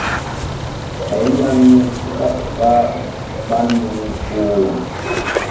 O wi’an nun suka tofaaɗo ɓannu mum foowan.